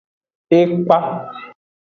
Ekpa.